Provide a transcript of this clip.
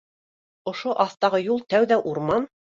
Ошо аҫтағы юл тәүҙә урман